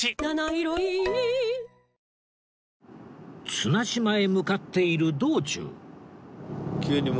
綱島へ向かっている道中